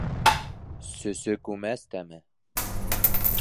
СӨСӨ КҮМӘС ТӘМЕ